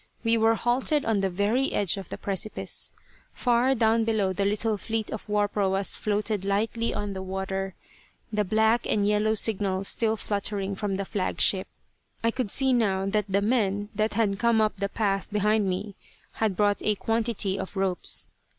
We were halted on the very edge of the precipice. Far down below the little fleet of war proas floated lightly on the water, the black and yellow signal still fluttering from the flag ship. I could see now that the men that had come up the path behind me had brought a quantity of ropes.